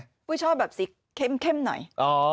ปุ้ยชอบแบบสีเข้มหน่อย